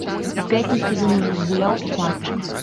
У пятніцу ён ўжо згуляў у матчы.